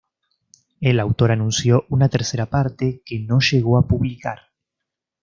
El autor anunció una tercera parte, que no llegó a publicar.